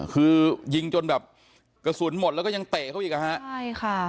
คือยิงจนแบบกระสุนหมดแล้วก็ยังเตะเขาอีกอ่ะฮะใช่ค่ะ